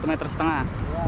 satu meter setengah